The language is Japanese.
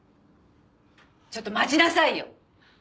ちょっと待ちなさいよ。